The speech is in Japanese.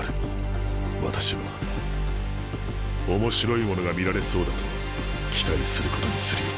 私は面白いものが見られそうだと期待することにするよ。